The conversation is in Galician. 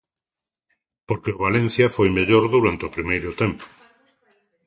Porque o Valencia foi mellor durante o primeiro tempo.